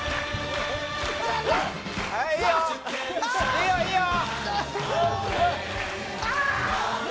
いいよ、いいよ！